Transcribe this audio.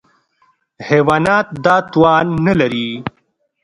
حیوانات دا توان نهلري.